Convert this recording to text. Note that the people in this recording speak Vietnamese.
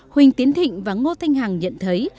huỳnh tiến thịnh và ngô thanh hằng nhận thấy